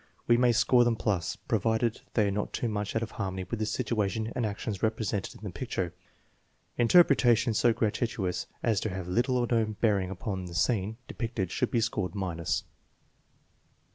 We may score them plus, provided they are not too much out of harmony with the situation and actions represented in the picture. Interpretations so gratuitous as to have little or no bearing upon the scene depicted should be scored minus.